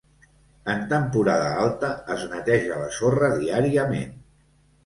En temporada alta es neteja la sorra diàriament.